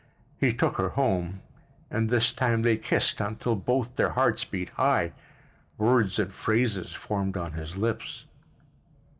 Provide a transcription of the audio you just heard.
... He took her home, and this time they kissed until both their hearts beat high—words and phrases formed on his lips.